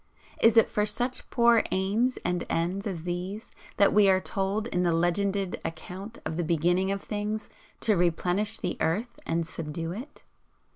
Is it for such poor aims and ends as these that we are told in the legended account of the beginning of things, to 'Replenish the earth and subdue it'?